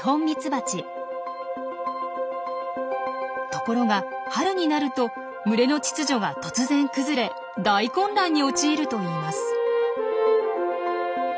ところが春になると群れの秩序が突然崩れ大混乱に陥るといいます。